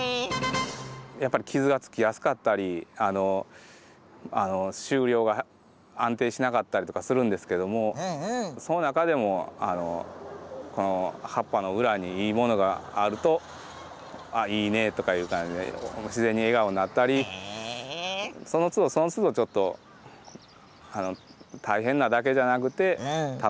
やっぱり傷がつきやすかったり収量が安定しなかったりとかするんですけどもその中でもこの葉っぱの裏にいいものがあるとあっいいねとかいう感じで自然に笑顔になったりそのつどそのつどちょっと実は今ぺっちん